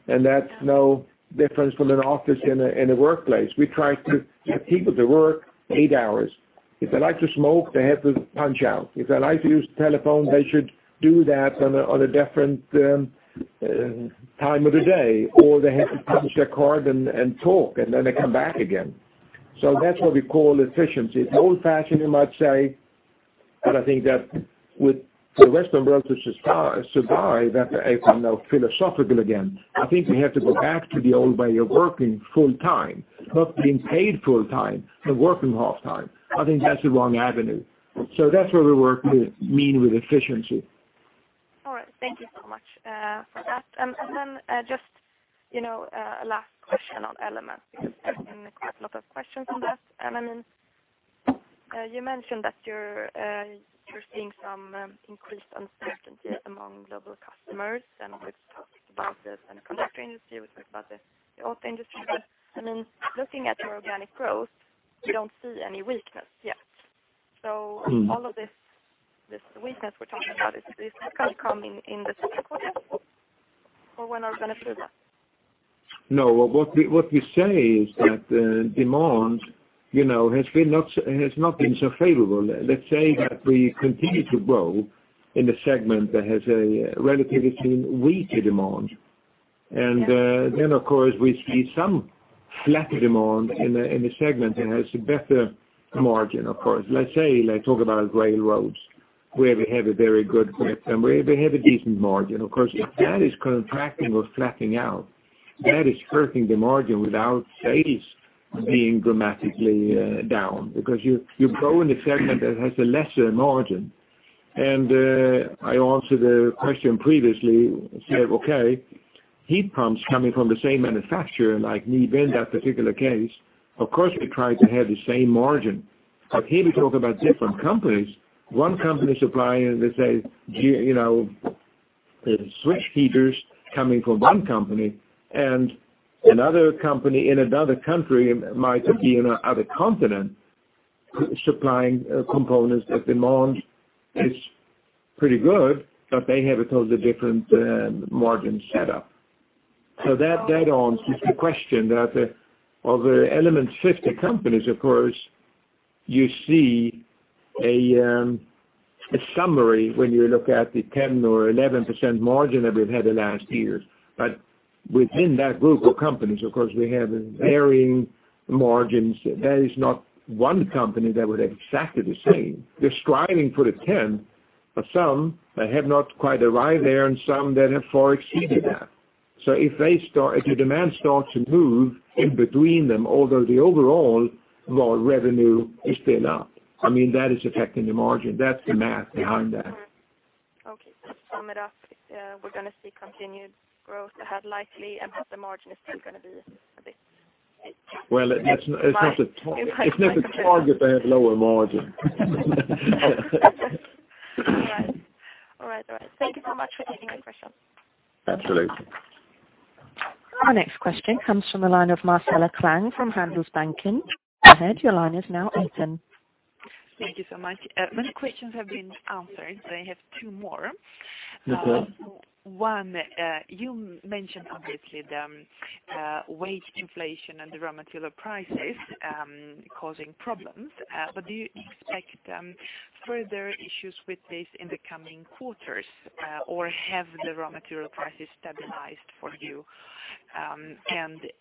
and that's no different from an office in a workplace. We try to get people to work eight hours. If they like to smoke, they have to punch out. If they like to use the telephone, they should do that on a different time of the day, or they have to punch their card and talk, and then they come back again. That's what we call efficiency. It's old-fashioned, you might say, but I think that for the Western world to survive, I sound now philosophical again. I think we have to go back to the old way of working full time, not being paid full time and working half time. I think that's the wrong avenue. That's where we work with mean with efficiency. All right. Thank you so much for that. Then, just a last question on elements, because there's been quite a lot of questions on that. You mentioned that you're seeing some increased uncertainty among global customers, and we've talked about the semiconductor industry, we've talked about the auto industry. Looking at your organic growth, we don't see any weakness yet. All of this weakness we're talking about, is this going to come in the second quarter? Or when are we going to see that? No, what we say is that demand has not been so favorable. Let's say that we continue to grow in the segment that has a relatively weaker demand. Of course, we see some flatter demand in the segment that has a better margin, of course. Let's say, talk about railroads, where we have a very good grip, and where we have a decent margin. Of course, if that is contracting or flattening out, that is hurting the margin without sales being dramatically down, because you grow in a segment that has a lesser margin. I answered a question previously, said, okay, heat pumps coming from the same manufacturer, like Nibe, in that particular case, of course, we try to have the same margin. Here we talk about different companies. One company supplying, let's say, switch heaters coming from one company, and another company in another country might be in another continent supplying components. The demand is pretty good, but they have a totally different margin set up. That answers the question that of the Element 50 companies, of course, you see a summary when you look at the 10% or 11% margin that we've had the last years. Within that group of companies, of course, we have varying margins. There is not one company that would have exactly the same. They're striving for the 10, but some have not quite arrived there, and some that have far exceeded that. If the demand starts to move in between them, although the overall revenue has been up, that is affecting the margin. That's the math behind that. All right. Okay. To sum it up, we're going to see continued growth ahead likely, and that the margin is still going to be a bit. Well, it's not the target to have lower margin. All right. Thank you so much for taking my question. Absolutely. Our next question comes from the line of Marcela Klang from Handelsbanken. Go ahead, your line is now open. Thank you so much. Many questions have been answered, but I have two more. Yes, sir. One, you mentioned obviously the wage inflation and the raw material prices causing problems. Do you expect further issues with this in the coming quarters? Or have the raw material prices stabilized for you?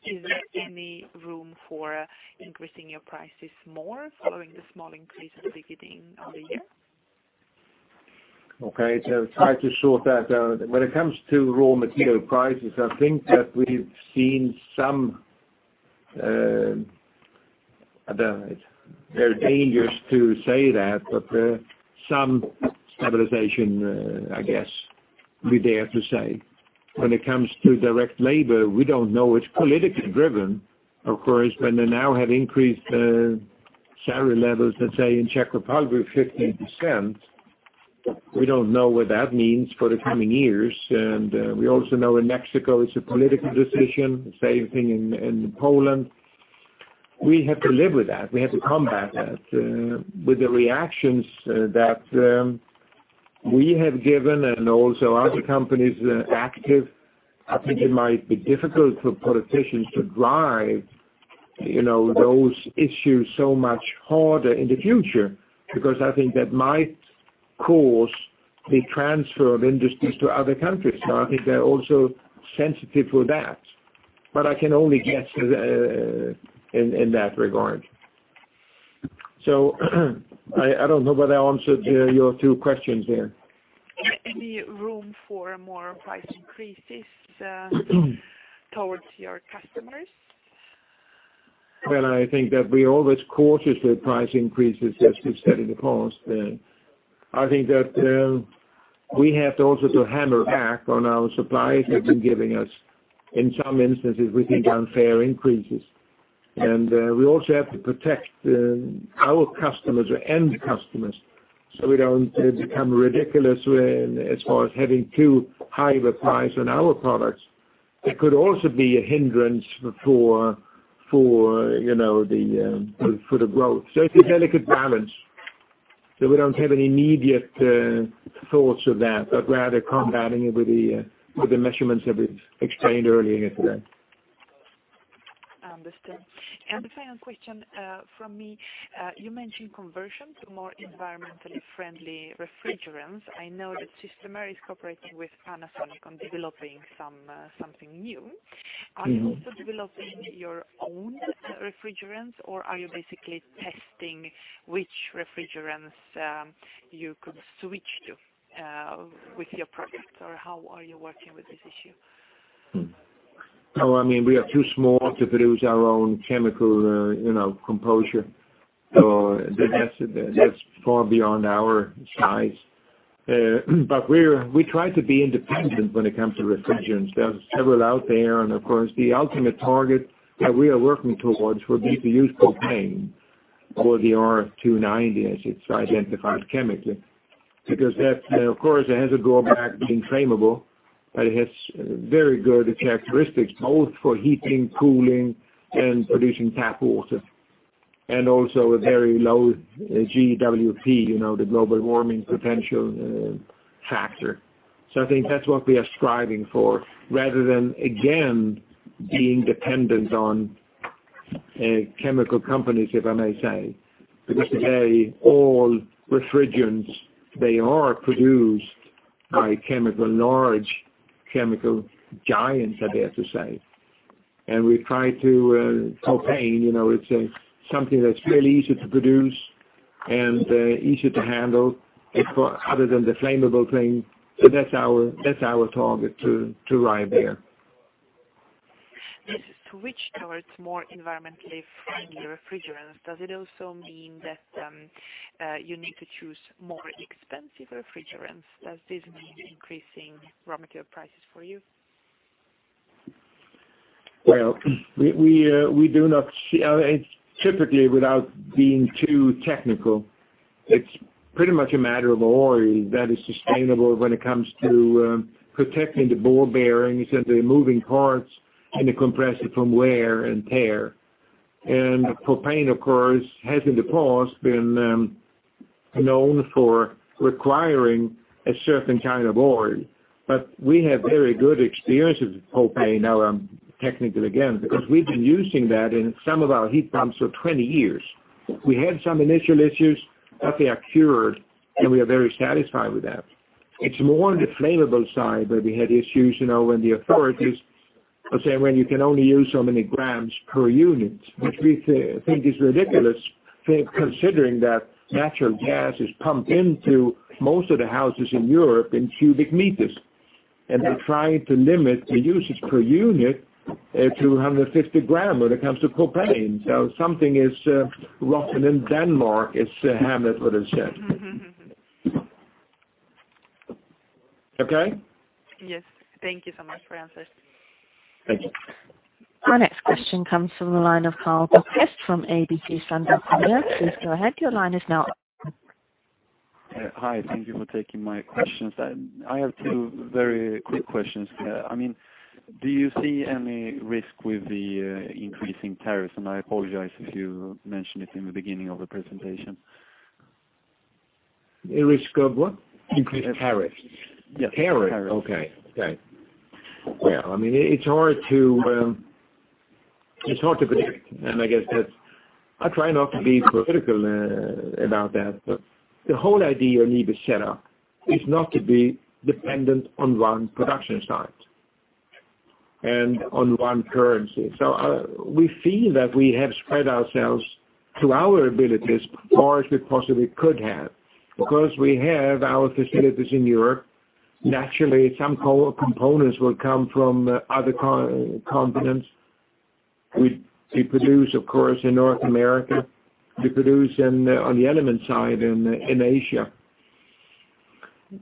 Is there any room for increasing your prices more following the small increase at the beginning of the year? Okay. I'll try to sort that out. When it comes to raw material prices, I think that we've seen some, they're dangerous to say that, but some stabilization, I guess, we dare to say. When it comes to direct labor, we don't know. It's politically driven, of course, when they now have increased salary levels, let's say, in Czech Republic 15%, we don't know what that means for the coming years. We also know in Mexico, it's a political decision, the same thing in Poland. We have to live with that. We have to combat that with the reactions that we have given and also other companies that are active. I think it might be difficult for politicians to drive those issues so much harder in the future, because I think that might cause the transfer of industries to other countries. I think they're also sensitive for that. I can only guess in that regard. I don't know whether I answered your two questions there. Any room for more price increases towards your customers? Well, I think that we're always cautious with price increases, as we've said in the past. I think that we have to also to hammer back on our suppliers have been giving us, in some instances, we think unfair increases. We also have to protect our customers or end customers so we don't become ridiculous as far as having too high of a price on our products. It could also be a hindrance for the growth. It's a delicate balance. We don't have any immediate thoughts of that, but rather combating it with the measurements that we've explained earlier. I understand. The final question from me, you mentioned conversion to more environmentally friendly refrigerants. I know that Systemair is cooperating with Panasonic on developing something new. Are you also developing your own refrigerants, or are you basically testing which refrigerants you could switch to with your products, or how are you working with this issue? We are too small to produce our own chemical composition. That's far beyond our size. We try to be independent when it comes to refrigerants. There's several out there, and of course, the ultimate target that we are working towards would be to use propane or the R290 as it's identified chemically. Of course, it has a drawback being flammable, but it has very good characteristics, both for heating, cooling, and producing tap water, and also a very low GWP, the global warming potential factor. I think that's what we are striving for rather than, again, being dependent on chemical companies, if I may say. Today, all refrigerants, they are produced by large chemical giants, I dare to say. We try to, propane, it's something that's really easy to produce and easy to handle other than the flammable thing. That's our target to arrive there. This switch towards more environmentally friendly refrigerants. Does it also mean that you need to choose more expensive refrigerants? Does this mean increasing raw material prices for you? Typically, without being too technical, it's pretty much a matter of oil that is sustainable when it comes to protecting the ball bearings and the moving parts in the compressor from wear and tear. We have very good experience with propane now, technically, again. We've been using that in some of our heat pumps for 20 years. We had some initial issues, but they are cured, and we are very satisfied with that. It's more on the flammable side where we had issues, when the authorities are saying, "Well, you can only use so many grams per unit," which we think is ridiculous considering that natural gas is pumped into most of the houses in Europe in cubic meters. They're trying to limit the usage per unit to 150 grams when it comes to propane. Something is rotten in Denmark, as Hamlet would have said. Okay? Yes. Thank you so much for your answers. Thank you. Our next question comes from the line of Karl Bokvist from ABG Sundal Collier. Please go ahead. Your line is now open. Hi, thank you for taking my questions. I have two very quick questions. Do you see any risk with the increasing tariffs? I apologize if you mentioned it in the beginning of the presentation. A risk of what? Increased tariffs. Tariffs. Yes, tariffs. Okay. Well, it's hard to predict, and I guess that I try not to be political about that. But the whole idea of Nibe's set up is not to be dependent on one production site and on one currency. So we feel that we have spread ourselves to our abilities far as we possibly could have. Because we have our facilities in Europe, naturally, some core components will come from other continents. We produce, of course, in North America. We produce on the element side in Asia.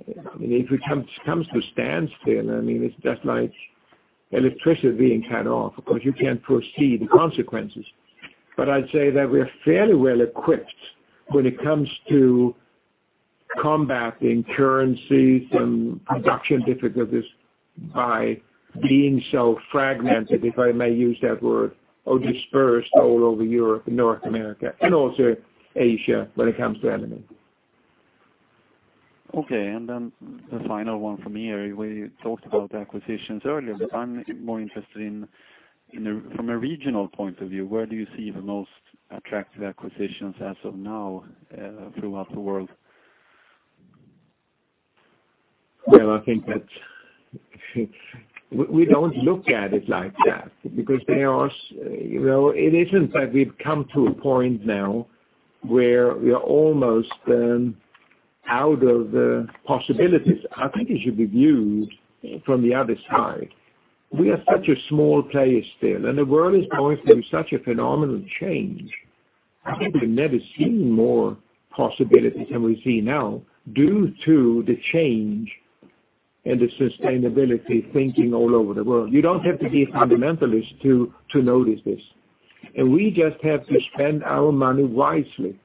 If it comes to a standstill, it's just like electricity being cut off, of course, you can foresee the consequences. I'd say that we're fairly well equipped when it comes to combating currencies and production difficulties by being so fragmented, if I may use that word, or dispersed all over Europe and North America, and also Asia when it comes to Element. The final one from here. We talked about acquisitions earlier. I'm more interested in from a regional point of view. Where do you see the most attractive acquisitions as of now throughout the world? I think that we don't look at it like that because it isn't that we've come to a point now where we are almost out of possibilities. I think it should be viewed from the other side. We are such a small player still, and the world is going through such a phenomenal change. I think we've never seen more possibilities than we see now due to the change and the sustainability thinking all over the world. You don't have to be a fundamentalist to notice this. We just have to spend our money wisely.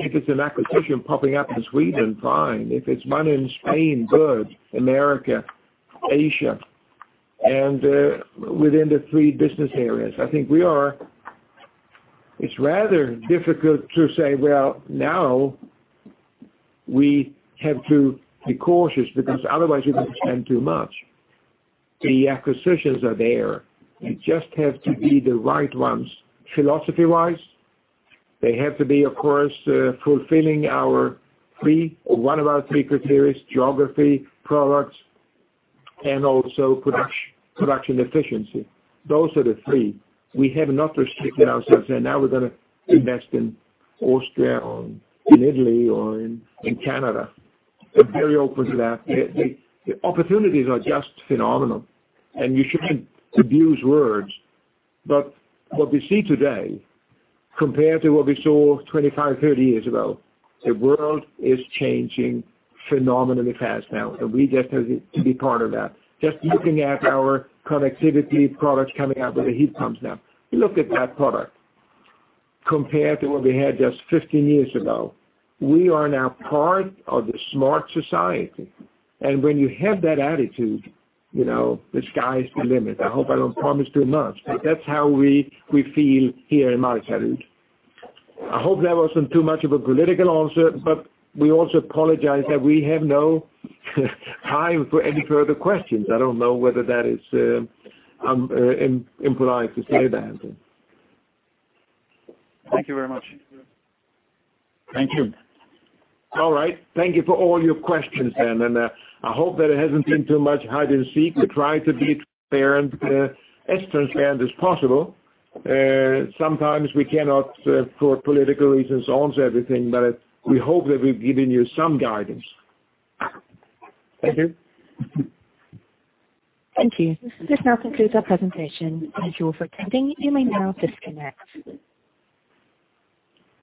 If it's an acquisition popping up in Sweden, fine. If it's one in Spain, good. America, Asia, and within the three business areas. I think it's rather difficult to say, well, now we have to be cautious because otherwise we will spend too much. The acquisitions are there. They just have to be the right ones philosophy-wise. They have to be, of course, fulfilling one of our three criteria: geography, products, and also production efficiency. Those are the three. We have not restricted ourselves, saying, now we're going to invest in Austria or in Italy or in Canada. We're very open to that. The opportunities are just phenomenal, and you shouldn't abuse words. What we see today, compared to what we saw 25, 30 years ago, the world is changing phenomenally fast now, and we just have to be part of that. Just looking at our connectivity products coming out with the heat pumps now. Look at that product compared to what we had just 15 years ago. We are now part of the smart society. When you have that attitude, the sky's the limit. I hope I don't promise too much, that's how we feel here in Markaryd. I hope that wasn't too much of a political answer, we also apologize that we have no time for any further questions. I don't know whether that is impolite to say that. Thank you very much. Thank you. All right. Thank you for all your questions then. I hope that it hasn't been too much hide and seek. We try to be transparent, as transparent as possible. Sometimes we cannot, for political reasons, answer everything, we hope that we've given you some guidance. Thank you. Thank you. This now concludes our presentation. Thank you all for attending. You may now disconnect.